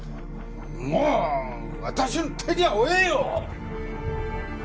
もう私の手には負えんよ！